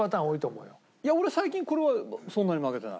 いや俺最近これはそんなに負けてない。